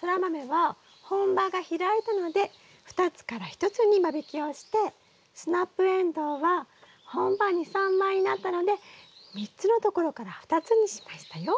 ソラマメは本葉が開いたので２つから１つに間引きをしてスナップエンドウは本葉２３枚になったので３つのところから２つにしましたよ。